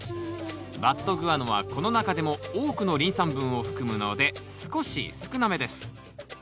バットグアノはこの中でも多くのリン酸分を含むので少し少なめです